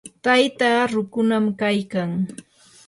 taytaa rukunam kaykan.